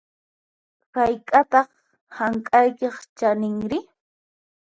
Hayk'ataq hank'aykiq chaninri?